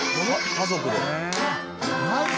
家族で。